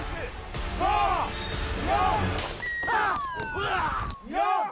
うわっ！